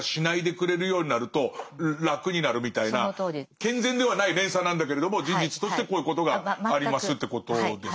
健全ではない連鎖なんだけれども事実としてこういうことがありますっていうことです。